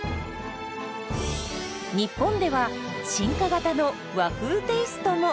日本では進化型の和風テイストも！